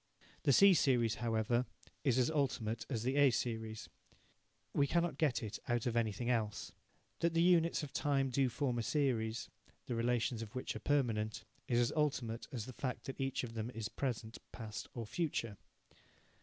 The C series, however, is as ultimate as the A series. We cannot get it out of anything else. That the units of time do form a series, the relations of which are permanent, is as ultimate as the fact that each of them is present, past, or future.